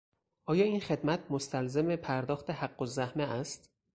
آیا این خدمت مستلزم پرداخت حقالزحمه است؟